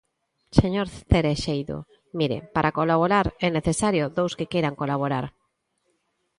Señor Cereixido, mire, para colaborar é necesario que dous queiran colaborar.